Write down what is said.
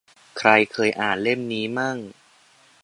ใครเคยอ่านเล่มนี้มั่ง